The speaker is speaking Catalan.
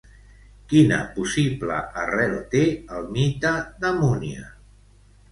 Quina possible arrel té el mite de Múnia?